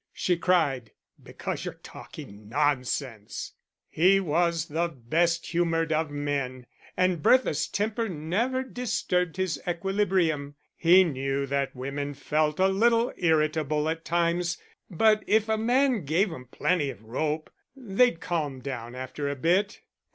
she cried. "Because you're talking nonsense." He was the best humoured of men, and Bertha's temper never disturbed his equilibrium. He knew that women felt a little irritable at times, but if a man gave 'em plenty of rope, they'd calm down after a bit.